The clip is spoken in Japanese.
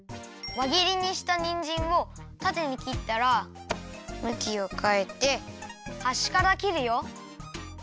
わぎりにしたにんじんをたてに切ったらむきをかえてはしから切るよ。